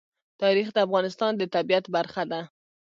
تاریخ د افغانستان د طبیعت برخه ده.